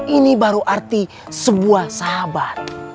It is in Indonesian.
ini baru arti sebuah sahabat